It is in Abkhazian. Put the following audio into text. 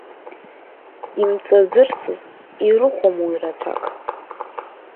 Имҵазырсыз ирыхәом уи рацәак.